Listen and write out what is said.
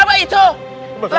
diam diam ini kemana